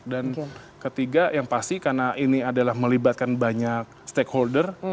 dan ketiga yang pasti karena ini adalah melibatkan banyak stakeholder